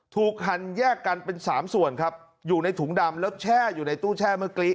หั่นแยกกันเป็นสามส่วนครับอยู่ในถุงดำแล้วแช่อยู่ในตู้แช่เมื่อกี้